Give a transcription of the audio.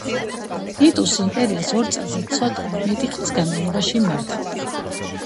ტიტუსი იმპერიას ორ წელზე ცოტა მეტი ხნის განმავლობაში მართავდა.